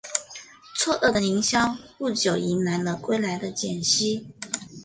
错愕的林萧不久迎来了归来的简溪。